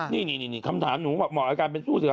นี่คำถามหนูเหมาะกับการเป็นสู้เสือ